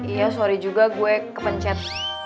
iya sorry juga gue kepencet